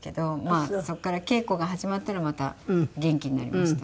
あそこから稽古が始まったらまた元気になりました。